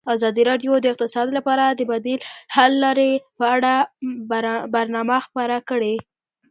ازادي راډیو د اقتصاد لپاره د بدیل حل لارې په اړه برنامه خپاره کړې.